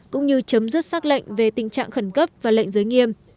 cũng như chấm dứt xác lệnh về tình trạng khẩn cấp và lệnh giới nghiêm